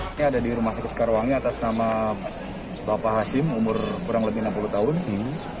ini ada di rumah sakit sekarwangi atas nama bapak hasim umur kurang lebih enam puluh tahun si